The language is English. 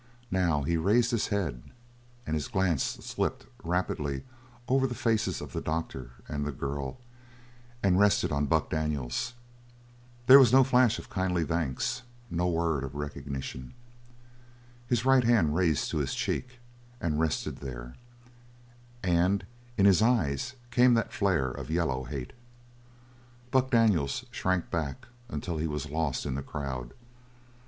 Now he raised his head and his glance slipped rapidly over the faces of the doctor and the girl and rested on Buck Daniels. There was no flash of kindly thanks, no word of recognition. His right hand raised to his cheek, and rested there, and in his eyes came that flare of yellow hate. Buck Daniels shrank back until he was lost in the crowd.